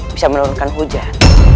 bisa menurunkan hujan